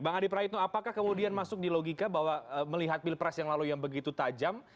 bang adi praitno apakah kemudian masuk di logika bahwa melihat pilpres yang lalu yang begitu tajam